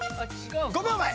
５秒前！